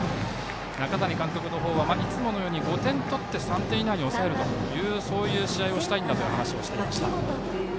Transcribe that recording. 中谷監督のほうはいつも５点とって３点以内に抑えるという試合をしたいんだと話をしていました。